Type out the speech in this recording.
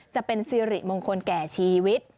จะเป็นสิริมงคลแก่ชีวิต